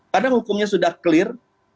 kadang hukumnya sudah clear